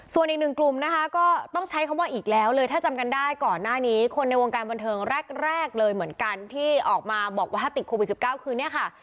ส่วนอีกหนึ่งกลุ่มนะคะก็ต้องใช้คำว่าอีกแล้วเลยถ้าจำกันได้ก่อนหน้านี้คนในวงการบันเทิงแรกแรกเลยเหมือนกันที่ออกมาบอกว่าถ้าติดโควิด๑๙คือเนี่ยค่ะ